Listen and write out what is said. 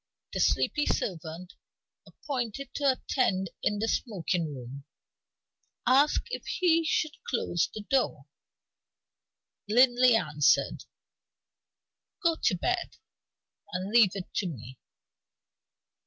The sleepy servant, appointed to attend in the smoking room, asked if he should close the door. Linley answered: "Go to bed, and leave it to me."